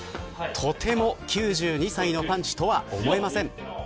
とても９２歳のパンチとは思えません。